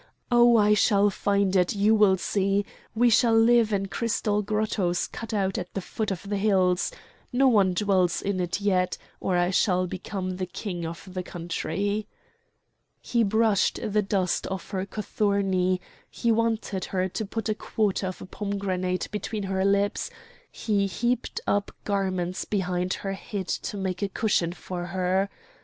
Oh! I shall find it, you will see. We shall live in crystal grottoes cut out at the foot of the hills. No one dwells in it yet, or I shall become the king of the country." He brushed the dust off her cothurni; he wanted her to put a quarter of a pomegranate between her lips; he heaped up garments behind her head to make a cushion for her.